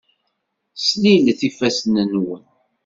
Slilet ifassen-nwen.